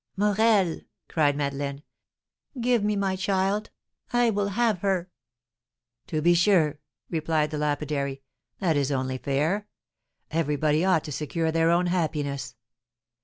"Morel," cried Madeleine, "give me my child! I will have her!" "To be sure," replied the lapidary; "that is only fair. Everybody ought to secure their own happiness!"